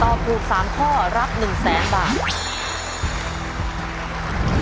ตอบถูก๓ข้อรับ๑๐๐๐๐๐บาท